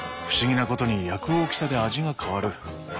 不思議なことに焼く大きさで味が変わる。